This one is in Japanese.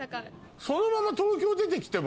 そのまま東京出て来ても。